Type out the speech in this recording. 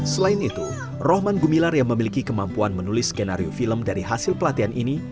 selain itu rohman gumilar yang memiliki kemampuan menulis skenario film dari hasil pelatihan ini